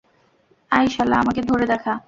I শালা আমাকে ধরে দেখা!